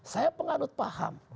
saya penganut paham